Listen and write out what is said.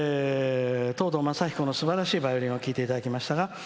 藤堂昌彦のすばらしいバイオリンを聴いていただきました。